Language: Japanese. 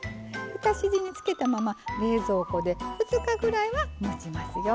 浸し地につけたまま冷蔵庫で２日ぐらいはもちますよ。